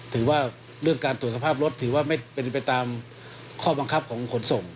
ถือว่าเรื่องการตรวจสภาพรถถือว่าไม่เป็นไปตามข้อบังคับของขนส่ง